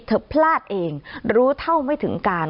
พลาดเองรู้เท่าไม่ถึงการ